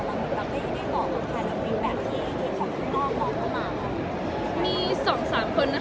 แล้วตอนนี้ได้บอกว่าคุณคุณก็มีแบบที่ของคุณนอกมองกันมาแล้ว